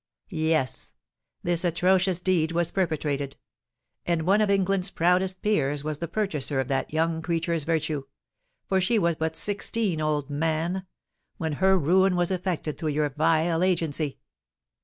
Yes—this atrocious deed was perpetrated; and one of England's proudest peers was the purchaser of that young creature's virtue—for she was but sixteen, old man, when her ruin was effected through your vile agency!